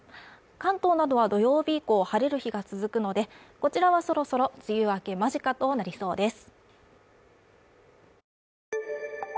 関東などは土曜日晴れる日が続くので、こちらはそろそろ梅雨明け間近となりそうです。